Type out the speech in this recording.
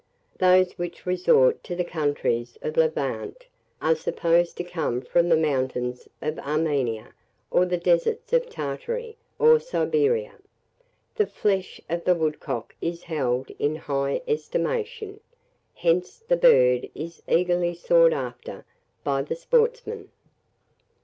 Those which resort to the countries of the Levant are supposed to come from the mountains of Armenia, or the deserts of Tartary or Siberia. The flesh of the woodcock is held in high estimation; hence the bird is eagerly sought after by the sportsman.